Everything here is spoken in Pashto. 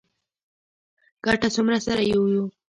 ګڼه څومره سره یو یو.